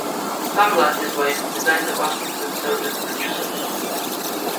Kamla, his wife, designed the costumes and served as a producer.